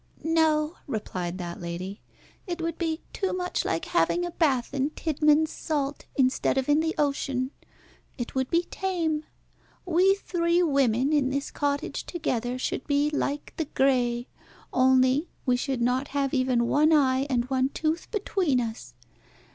"No," replied that lady. "It would be too much like having a bath in Tidman's salt, instead of in the ocean. It would be tame. We three women in this cottage together should be like the Graiæ, only we should not have even one eye and one tooth between us.